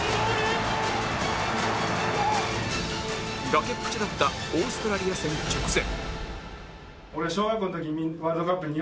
崖っぷちだったオーストラリア戦直前